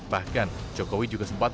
bahkan jokowi juga sempat